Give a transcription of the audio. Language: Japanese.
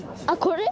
これ？